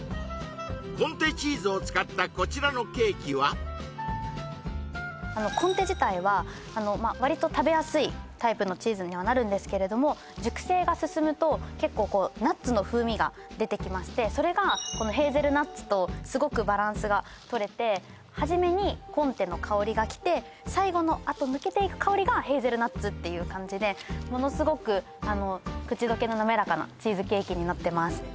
コンテチーズを使ったこちらのケーキはあのコンテ自体はわりと食べやすいタイプのチーズにはなるんですけれども熟成が進むと結構ナッツの風味が出てきましてそれがこのヘーゼルナッツとすごくバランスがとれてはじめにコンテの香りが来て最後のあと抜けていく香りがヘーゼルナッツっていう感じでものすごくあの口どけのなめらかなチーズケーキになってます